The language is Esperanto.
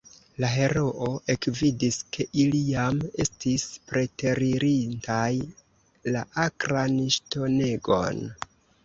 La heroo ekvidis, ke ili jam estis preteririntaj la akran ŝtonegon.